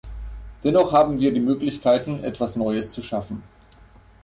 Dennoch haben wir die Möglichkeiten, etwas Neues zu schaffen.